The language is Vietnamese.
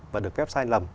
và được phép sai lầm